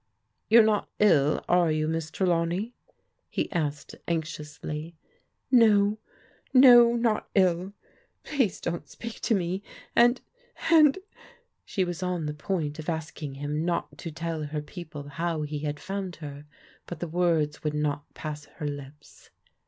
" You're not ill, are you, Miss Trelawney?" he asked anxiously. " No — ^no, not ill ! Please don't speak to me !— ^and — and " She was on the point of asking him not to tell her people how he had found her, but the words would not pass her lips.